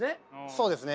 そうですね